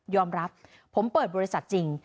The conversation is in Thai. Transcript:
อมรับผมเปิดบริษัทจริง